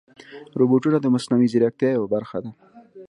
روبوټونه د مصنوعي ځیرکتیا یوه برخه ده.